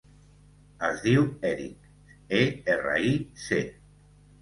Es diu Eric: e, erra, i, ce.